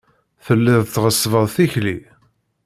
Telliḍ tɣeṣṣbeḍ tikli.